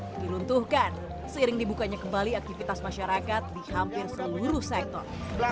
diruntuhkan seiring dibukanya kembali aktivitas masyarakat di hampir seluruh sektor